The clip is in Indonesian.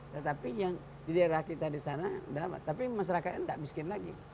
tetapi yang di daerah kita di sana tapi masyarakatnya tidak miskin lagi